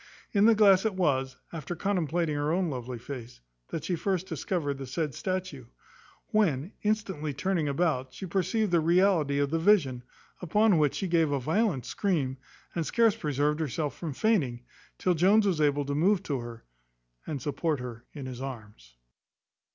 In this glass it was, after contemplating her own lovely face, that she first discovered the said statue; when, instantly turning about, she perceived the reality of the vision: upon which she gave a violent scream, and scarce preserved herself from fainting, till Jones was able to move to her, and support her in his arms.